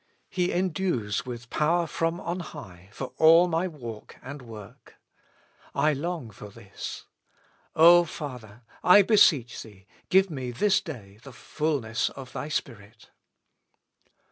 He endues with power from on high for all my walk and work. I long for this. O Father ! I beseech Thee, give me this day the fulness of Thy Spirit.